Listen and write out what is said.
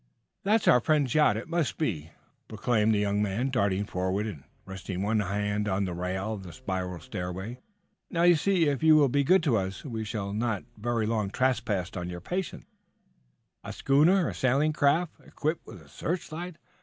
"That's our friends' yacht it must be!" proclaimed the young man, darting forward and resting one hand on the rail of the spiral stairway. "Now, you see, if you will be good to us, we shall not very long trespass on your patience." "A schooner a sailing craft equipped with a searchlight?"